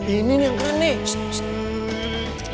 ini nih yang keren nih